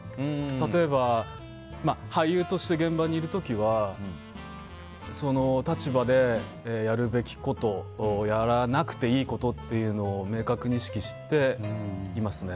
例えば俳優として現場にいる時はその立場でやるべきことやらなくていいことというのを明確に意識していますね。